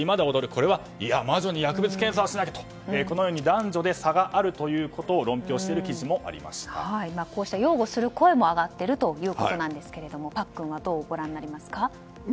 これは魔女に薬物検査をしなきゃとこのように男女で差があるということをこうした擁護する声も上がっているということですがパックンはどうご覧になりますか？